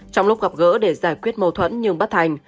trong lúc gặp gỡ để giải quyết mâu thuẫn nhưng bắt thành